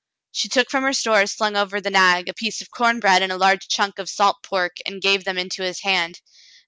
She took from her stores, slung over the nag, a piece of corn bread and a large chunk of salt pork, and gave them into his hand.